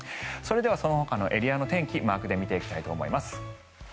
それではそのほかのエリアの天気マークで見ていきたいと思います。